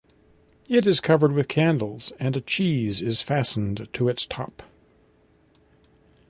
It is covered with candles and a cheese is fastened to its top.